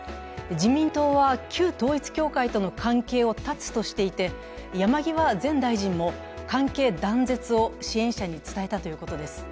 自民党は旧統一教会との関係を断つとしていて山際前大臣も関係断絶を支援者に伝えたということです。